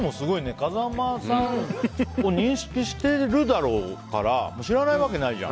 風間さんを認識しているだろうから知らないわけないじゃん。